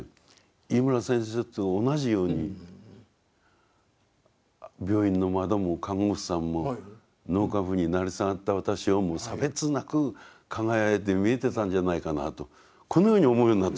井村先生と同じように病院の窓も看護師さんも納棺夫に成り下がった私をも差別なく輝いて見えてたんじゃないかなとこのように思うようになったんです。